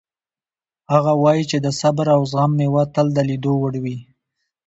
هغه وایي چې د صبر او زغم میوه تل د لیدو وړ وي